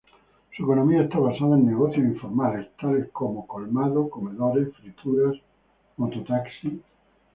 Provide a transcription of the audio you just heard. Su economía está basada en negocios informales tales como colmado, comedores, frituras, Moto-Taxi.